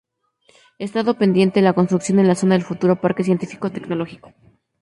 Estando pendiente la construcción en la zona del futuro Parque Científico-Tecnológico.